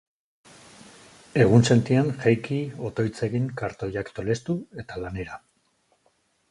Egunsentian, jaiki, otoitz egin, kartoiak tolestu, eta lanera.